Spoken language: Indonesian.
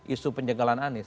isu penjagalan anis